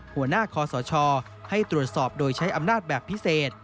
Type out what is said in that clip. หัวหน้าคอสชให้ตรวจสอบโดยใช้อำนาจแบบพิเศษ